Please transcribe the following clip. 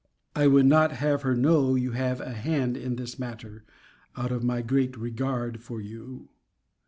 I would not have her know you have a hand in this matter, out of my great regard to you.